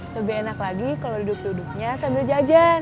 lebih enak kalau duduknya sambil jajan